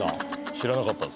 知らなかったっすね